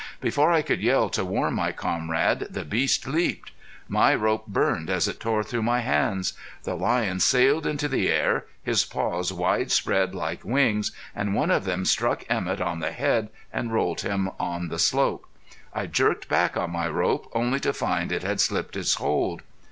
Before I could yell to warn my comrade the beast leaped. My rope burned as it tore through my hands. The lion sailed into the air, his paws wide spread like wings, and one of them struck Emett on the head and rolled him on the slope. I jerked back on my rope only to find it had slipped its hold.